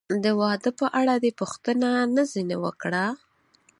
د واده په اړه دې پوښتنه نه ځنې وکړه؟